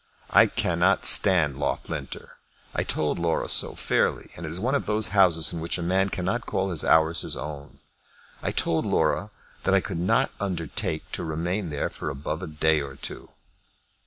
I cannot stand Loughlinter. I told Laura so fairly. It is one of those houses in which a man cannot call his hours his own. I told Laura that I could not undertake to remain there for above a day or two."